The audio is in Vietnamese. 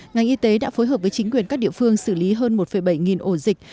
ngành y tế đã phối hợp với chính quyền các địa phương xử lý hơn một bảy nghìn ổ dịch